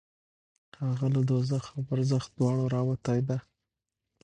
هغه له دوزخ او برزخ دواړو راوتی دی.